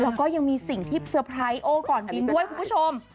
แล้วก็ยังมีสิ่งที่เตอร์ไพรส์โอก่อนบินด้วยคุณผู้ชม